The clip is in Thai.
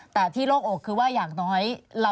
แต่ที่โล่งอกคือว่าอย่างน้อย